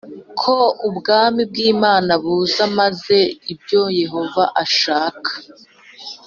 ko Ubwami bw Imana buza maze ibyo Yehova ashaka